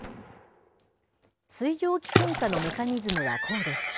水蒸気噴火のメカニズムはこうです。